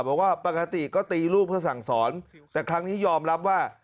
บอกว่าปกติก็ตีลูกเพื่อสั่งสอนแต่ครั้งนี้ยอมรับว่า